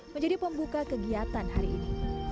menjadi pembuka kegiatan hari ini